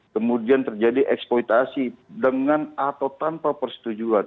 kemudian terjadi eksploitasi dengan atau tanpa persetujuan